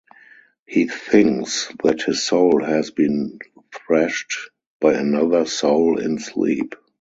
He thinks that his soul has been thrashed by another soul in sleep.